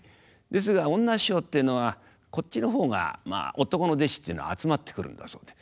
ですが女師匠っていうのはこっちの方がまあ男の弟子というのは集まってくるんだそうで。